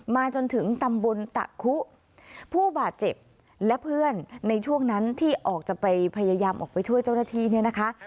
จนถึงตำบลตะคุผู้บาดเจ็บและเพื่อนในช่วงนั้นที่ออกจะไปพยายามออกไปช่วยเจ้าหน้าที่เนี่ยนะคะ